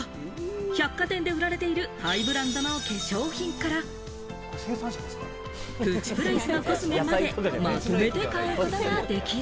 百貨店で売られているハイブランドの化粧品から、プチプライスのコスメまで、まとめて買うことができる。